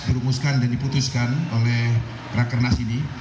dirumuskan dan diputuskan oleh rakernas ini